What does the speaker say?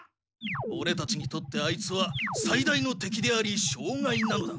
オレたちにとってアイツはさい大のてきでありしょうがいなのだ。